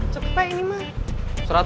cukup pak ini mah